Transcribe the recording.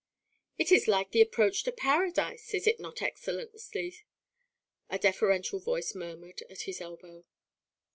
"It is like the approach to paradise, is it not, Excellency?" a deferential voice murmured at his elbow.